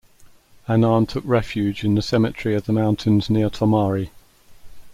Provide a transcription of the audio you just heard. Annan took refuge in the cemetery of the mountains near Tomari.